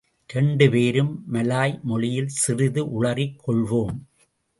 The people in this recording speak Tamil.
இரண்டு பேரும் மலாய் மொழியில் சிறிது உளறிக் கொள்வோம்.